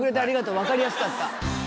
わかりやすかった。